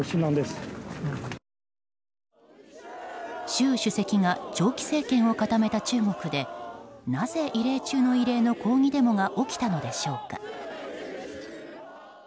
習主席が長期政権を固めた中国でなぜ、異例中の異例の抗議デモが起きたのでしょうか。